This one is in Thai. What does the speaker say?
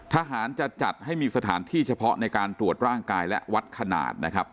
ทหารจะจัดให้มีสถานที่เฉพาะในการตรวจร่างกายและวัดขนาดนะครับ